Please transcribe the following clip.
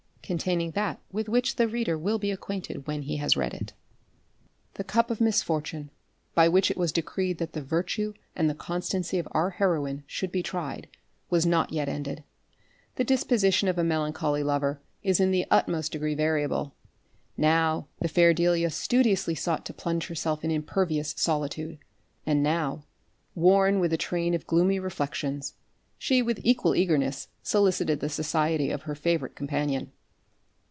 Containing that with which the reader will be acquainted when he has read it. The cup of misfortune, by which it was decreed that the virtue and the constancy of our heroine should be tried, was not yet ended. The disposition of a melancholy lover is in the utmost degree variable. Now the fair Delia studiously sought to plunge herself in impervious solitude; and now, worn with a train of gloomy reflections, she with equal eagerness solicited the society of her favourite companion.